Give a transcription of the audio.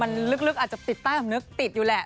มันลึกอาจจะติดใต้สำนึกติดอยู่แหละ